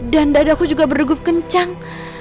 dan dadaku juga berdegup kencang